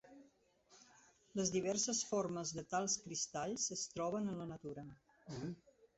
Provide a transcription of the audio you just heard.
Les diverses formes de tals cristalls es troben en la natura.